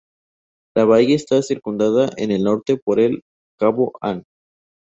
La bahía está circundada en el norte por el cabo Ann.